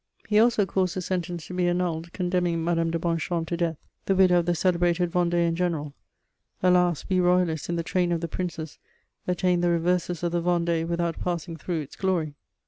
He also caused the sentence to be annulled condemning Madame de Bonchamps to death, the widow of the celebrated Vendean general. Alas, we Royalists in the train of the Princes attained the reverses of the Vendée without passing through its glory!